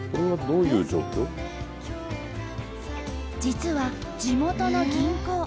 実は地元の銀行。